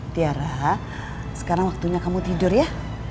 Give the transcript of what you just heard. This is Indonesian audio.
tiara sekarang waktunya kamu tidur ya